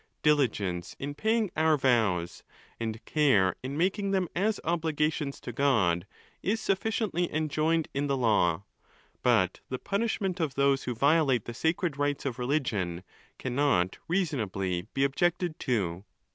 Diligence in paying our vows, and care in making them as obligations to God, is sufficiently enjoined" in the law ; but the punishment of those who violate the sacred rites of religion, cannot reasonably be objected to.